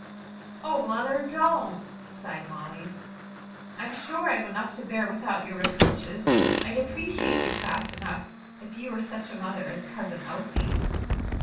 "Oh, mother, don't!" sighed Molly. "I'm sure I've enough to bear without your reproaches. I'd appreciate you fast enough, if you were such a mother as Cousin Elsie."